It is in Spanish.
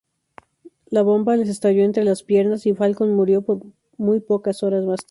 La bomba les estalló entre las piernas, y Falcón murió pocas horas más tarde.